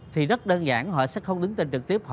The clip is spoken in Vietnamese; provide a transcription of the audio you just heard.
thì rất đơn giản họ sẽ không đứng tên trực tiếp